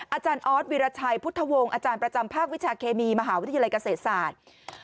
อาจารย์ออสวิรชัยพุทธวงศ์อาจารย์ประจำภาควิชาเคมีมหาวิทยาลัยเกษตรศาสตร์